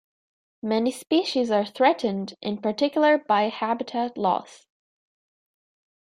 Many species are threatened, in particular by habitat loss.